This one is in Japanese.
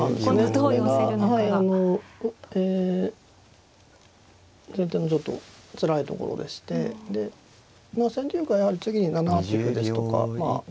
これははいあのええ先手のちょっとつらいところでしてでまあ先手玉はやはり次に７八歩ですとかまあ５